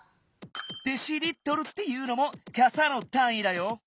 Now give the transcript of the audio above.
「デシリットル」っていうのもかさのたんいだよ。